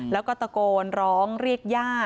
แล้วก็ตะโกนร้องเรียกย่า